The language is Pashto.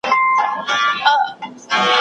که نمونه وي نو جوړښت نه ورکیږي.